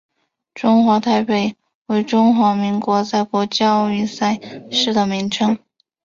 中华台北为中华民国在国际奥运赛事的名称。